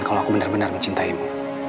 kalau aku benar benar mencintaimu